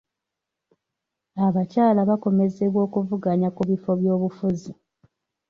Abakyala bakomezebwa okuvuganya ku bifo by'obufuzi.